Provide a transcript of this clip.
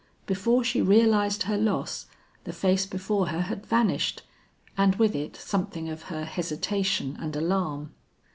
Before she realized her loss, the face before her had vanished, and with it something of her hesitation and alarm.